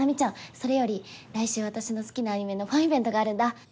それより来週私の好きなアニメのファンイベントがあるんだ。